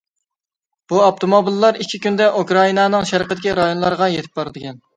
بۇ ئاپتوموبىللار ئىككى كۈندە ئۇكرائىنانىڭ شەرقىدىكى رايونلارغا يېتىپ بارىدىكەن.